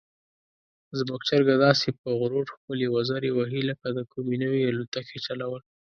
زموږ چرګه داسې په غرور خپلې وزرې وهي لکه د کومې نوې الوتکې چلول.